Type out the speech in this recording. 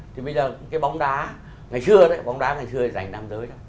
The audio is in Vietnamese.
thì bây giờ cái bóng đá ngày xưa đấy bóng đá ngày xưa dành nam giới đó